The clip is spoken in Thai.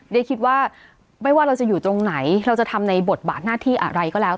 คิดว่าไม่ว่าเราจะอยู่ตรงไหนเราจะทำในบทบาทหน้าที่อะไรก็แล้ว